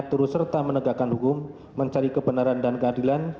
turut serta menegakkan hukum mencari kebenaran dan keadilan